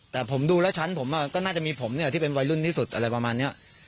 แต่ผมดูแล้วชั้นผมก็น่าจะมีผมเนี่ยที่เป็นวัยรุ่นที่สุดอะไรประมาณนี้